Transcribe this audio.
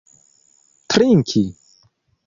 trinki